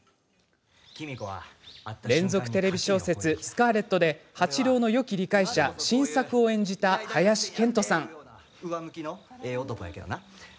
連続テレビ小説「スカーレット」で八郎のよき理解者信作を演じた林遣都さん。